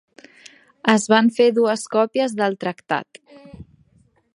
Es van fer dues còpies del tractat.